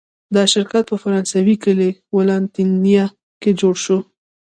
دا شرکت په فرانسوي کلي ولانتینیه کې جوړ شو.